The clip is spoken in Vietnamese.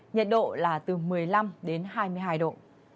nhiệt độ là từ một mươi năm đến hai mươi hai độ